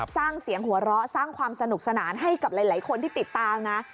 สร้างเสียงหัวเราะสร้างความสนุกสนานให้กับหลายคนที่ติดตามนะ